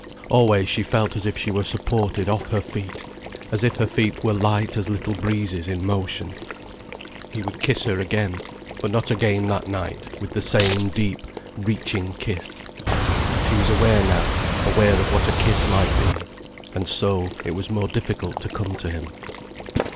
Always she felt as if she were supported off her feet, as if her feet were light as little breezes in motion. He would kiss her again—but not again that night with the same deep—reaching kiss. She was aware now, aware of what a kiss might be. And so, it was more difficult to come to him.